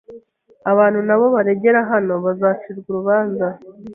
Abantu nabo baregera hano bazacirwa urubanza